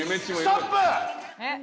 ストップ！